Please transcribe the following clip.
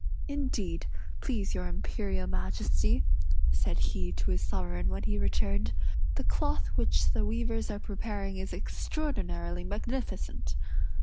"Indeed, please your Imperial Majesty," said he to his sovereign when he returned, "the cloth which the weavers are preparing is extraordinarily magnificent."